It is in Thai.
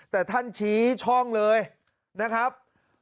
แต่ท่านชี้ช่องเลยนะครับ